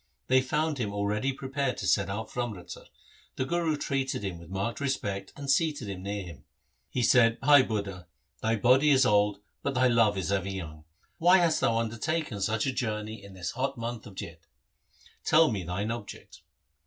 They found him already prepared to set out for Amritsar. The Guru treated him with marked respect and seated him near him. He said ' Bhai Budha, thy body is old, but thy love is ever young. Why hast thou undertaken such a journey in this hot month of Jeth ? Tell me thine object.'